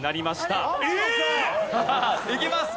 いきます。